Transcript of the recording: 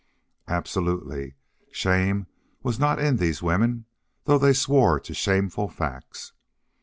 Absolutely, shame was not in these women, though they swore to shameful facts.